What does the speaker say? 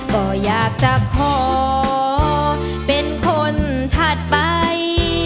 ก็อยากจะขอเป็นคนถัดไป